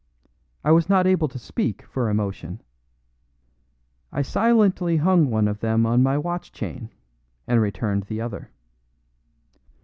I was not able to speak for emotion. I silently hung one of them on my watch chain, and returned the other.